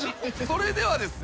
それではですね